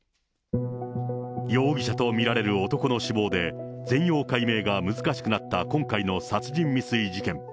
容疑者と見られる男の死亡で、全容解明が難しくなった今回の殺人未遂事件。